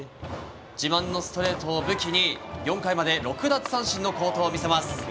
自慢のストレートを武器に４回まで６奪三振の好投を見せます。